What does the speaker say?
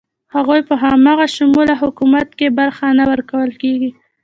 هغوی په همه شموله حکومت کې برخه نه ورکول کیږي.